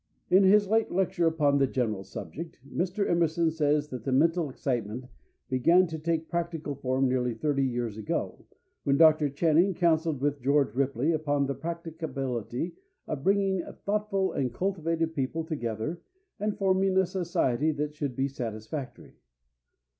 In his late lecture upon the general subject, Mr. Emerson says that the mental excitement began to take practical form nearly thirty years ago, when Dr. Channing counselled with George Ripley upon the practicability of bringing thoughtful and cultivated people together and forming a society that should be satisfactory.